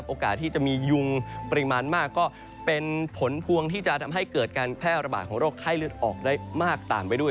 โอกาสที่จะมียุงปริมาณมากก็เป็นผลพวงที่จะทำให้เกิดการแพร่ระบาดของโรคไข้เลือดออกได้มากตามไปด้วย